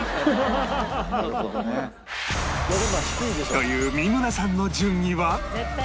という三村さんの順位は？